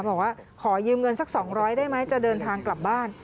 บอกว่าขอยืมเงินสัก๒๐๐ได้ไหมจะเดินทางกลับบ้าน